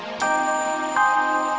aku berharap kamu tidak menang